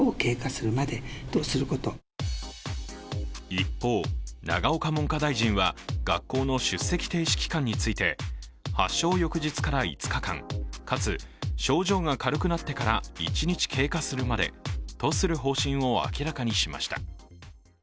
一方、永岡文科大臣は学校の出席停止期間について発症翌日から５日間、かつ症状が軽くなってから１日経過するまでとする方針を明らかにしました。